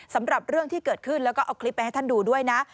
สำหรับเรื่องที่เกิดขึ้นแล้วก็เอาคลิปไปให้ท่านดูด้วยนะ